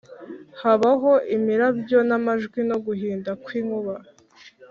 Habaho imirabyo n’amajwi no guhinda kw’inkuba,